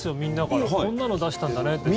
こんなの出したんだねって。